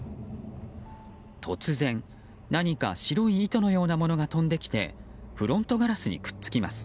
突然、何か白い糸のようなものが飛んできてフロントガラスにくっつきます。